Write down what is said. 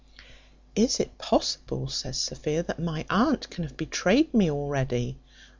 "Is it possible," says Sophia, "that my aunt can have betrayed me already?"